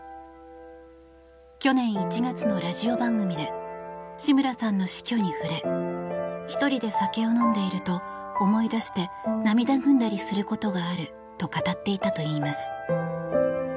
去年１月のラジオ番組で志村さんの死去に触れ１人で酒を飲んでいると思い出して涙ぐんだりすることがあると語っていたといいます。